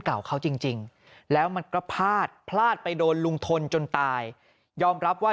เก่าเขาจริงแล้วมันก็พลาดพลาดไปโดนลุงทนจนตายยอมรับว่า